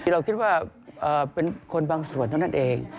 เราคิดว่าเป็นคนบางส่วนเท่านั้นเอง